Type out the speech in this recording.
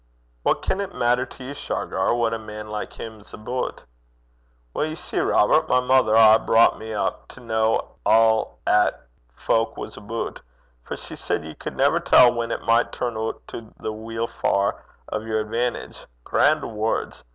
'What can 't maitter to you, Shargar, what a man like him 's aboot?' 'Weel, ye see, Robert, my mither aye broucht me up to ken a' 'at fowk was aboot, for she said ye cud never tell whan it micht turn oot to the weelfaur o' yer advantage gran' words!